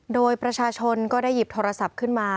โดยประชาชนก็ได้หยิบโทรศัพท์ขึ้นมา